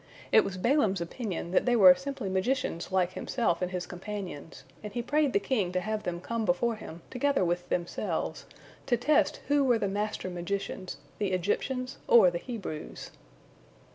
It was Balaam's opinion that they were simply magicians like himself and his companions, and he prayed the king to have them come before him together with themselves, to test who were the master magicians, the Egyptians or the Hebrews.